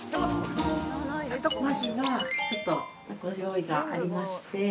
◆まずは、ちょっとご用意がありまして。